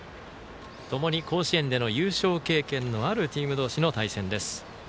ともに甲子園での優勝経験のあるチーム同士の対戦です。